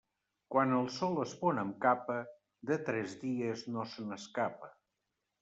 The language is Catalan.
Quan el sol es pon amb capa, de tres dies no se n'escapa.